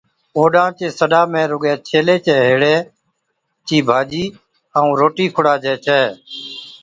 اوڏان چي سڏا ۾ رُگي ڇيلي چي ھيڙي چِي ڀاڄِي ائُون روٽِي کُڙاجي ڇَي